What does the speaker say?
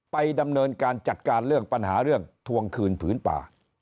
ไปดำเนินการจัดการเรื่องปัญหาเรื่องทวงคืนผืนป่า